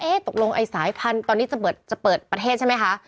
ตกลงไอ้สายพันธุ์ตอนนี้จะเปิดประเทศใช่ไหมคะ